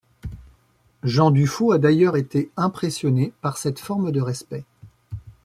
Jean Dufaux a d'ailleurs été impressionné par cette forme de respect.